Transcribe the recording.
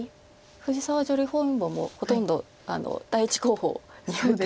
藤沢女流本因坊もほとんど第１候補に打ってます。